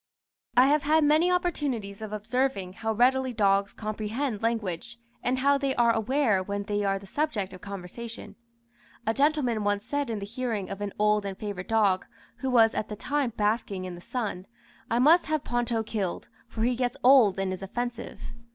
I have had many opportunities of observing how readily dogs comprehend language, and how they are aware when they are the subject of conversation. A gentleman once said in the hearing of an old and favourite dog, who was at the time basking in the sun, "I must have Ponto killed, for he gets old and is offensive."